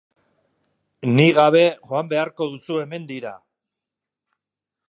Ni gabe joan beharko duzue mendira.